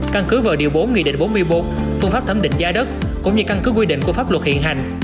căn cứ vào điều bốn nghị định bốn mươi bốn phương pháp thẩm định giá đất cũng như căn cứ quy định của pháp luật hiện hành